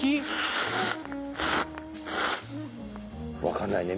分かんないね